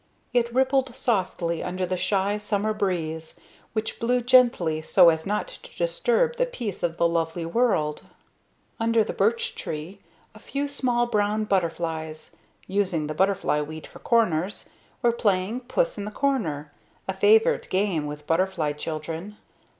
It rippled softly under the shy summer breeze, which blew gently so as not to disturb the peace of the lovely world. Under the birch tree a few small brown butterflies, using the butterfly weed for corners, were playing puss in the corner, a favorite game with butterfly children.